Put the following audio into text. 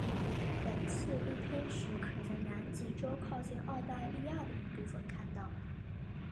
本次日偏食可在南极洲靠近澳大利亚的一部分看到。